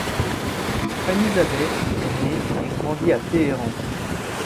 Fannizadeh est né et grandit à Téhéran.